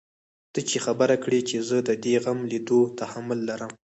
ته چا خبره کړې چې زه د دې غم ليدو تحمل لرم.